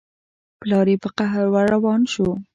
پلار يې په قهر ور روان شو.